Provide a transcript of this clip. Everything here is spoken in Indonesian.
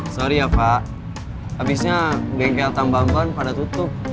sorry ya fak habisnya genggel tambahan pada tutup